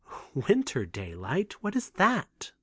"Winter daylight? What is that?"